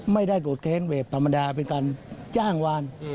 ไม่ได้โกรธแค้นเวทธรรมดาเป็นการจ้างวาน